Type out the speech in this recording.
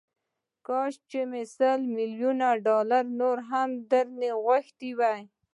کاشکي مې سل ميليونه ډالر نور هم درنه غوښتي وای